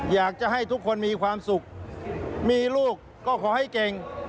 อยากจะให้ทุกคนมีความสุขมีลูกก็ขอให้เก่ง